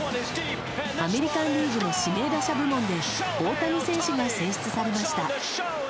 アメリカン・リーグの指名打者部門で大谷選手が選出されました。